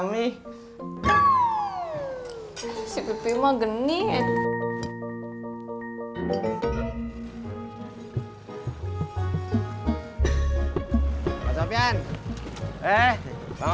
mi si pepi mageni